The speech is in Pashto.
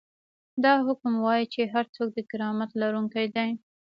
دا حکم وايي چې هر څوک د کرامت لرونکی دی.